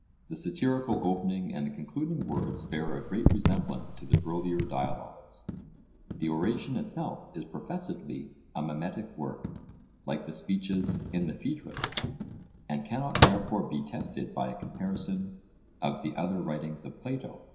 The satirical opening and the concluding words bear a great resemblance to the earlier dialogues; the oration itself is professedly a mimetic work, like the speeches in the Phaedrus, and cannot therefore be tested by a comparison of the other writings of Plato.